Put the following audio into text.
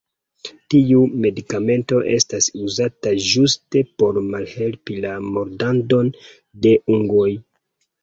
Tiu medikamento estas uzata ĝuste por malhelpi la mordadon de ungoj.